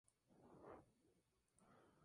El calendario está compuesto de siete pruebas.